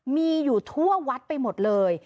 มีอยู่ทั่ววัดไปหมดเลย